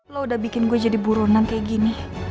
lo udah bikin gue jadi buronan kayak gini